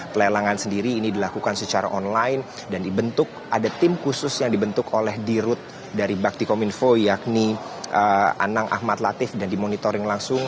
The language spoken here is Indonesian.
pelelangan sendiri ini dilakukan secara online dan dibentuk ada tim khusus yang dibentuk oleh dirut dari bakti kominfo yakni anang ahmad latif dan dimonitoring langsung